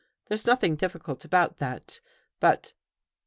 There's nothing difficult about that. But